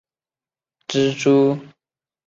多齿安蛛为栉足蛛科安蛛属的动物。